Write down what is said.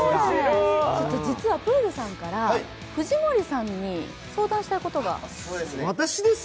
実はプールさんから藤森さんに相談したいことが。